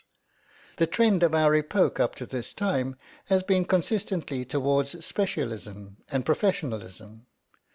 The trend of our epoch up to this time has been consistently towards specialism and professionalism.